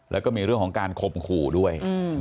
แล้วก็มีเรื่องของการข่มขู่ด้วย